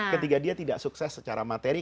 ketika dia tidak sukses secara materi